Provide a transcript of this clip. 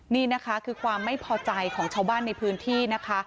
นี่นะคะคือความไม่พอใจของชาวบ้านในพื้นที่นะคะ